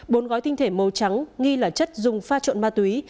bốn gói tinh thể màu trắng nghi là chất dùng pha trộn ma túy